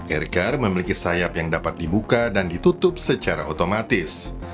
ergar memiliki sayap yang dapat dibuka dan ditutup secara otomatis